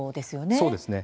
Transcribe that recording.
そうですね。